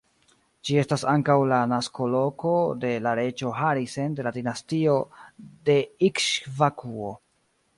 Ĝi estas ankaŭ la naskoloko de la reĝo Harisen de la dinastio de Ikŝvakuo.